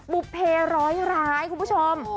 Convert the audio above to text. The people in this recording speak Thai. บุภเพร้อยร้ายคุณผู้ชม